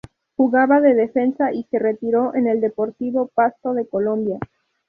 Jugaba de defensa y se retiró en el Deportivo Pasto de Colombia.